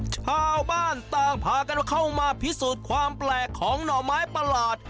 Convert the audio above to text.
ชาวบ้านต่างพากันเข้ามาพิสูจน์ความแปลกของหน่อไม้ประหลาด